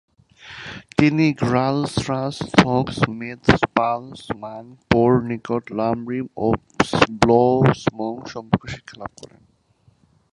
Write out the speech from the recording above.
তিনি র্গ্যাল-স্রাস-থোগ্স-মেদ-দ্পাল-ব্জাং-পোর নিকট লাম-রিম ও ব্লো-স্ব্যোং সম্বন্ধে শিক্ষা লাভ করেন।